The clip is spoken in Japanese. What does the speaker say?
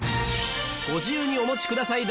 ご自由にお持ちください